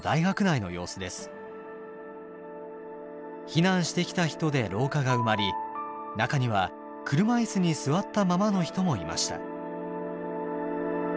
避難してきた人で廊下が埋まり中には車いすに座ったままの人もいました。